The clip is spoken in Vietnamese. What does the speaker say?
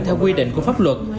theo quy định của pháp luật